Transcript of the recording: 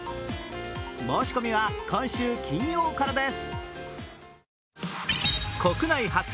申し込みは今週金曜からです。